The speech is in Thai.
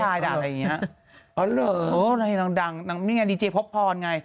ด่าอะไรอย่างเนี้ยอ๋อเหรอโอ้นังดังนังนี่ไงดีเจย์พ็อกพรไง